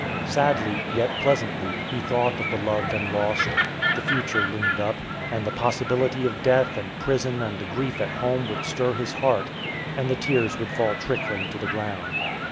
Sadly, yet pleasantly, he thought of the loved and lost; the future loomed up, and the possibility of death and prison and the grief at home would stir his heart, and the tears would fall trickling to the ground.